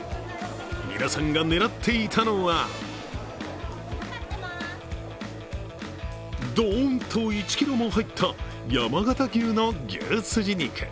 皆さんが狙っていたのはどーんと１ｋｇも入った山形牛の牛スジ肉。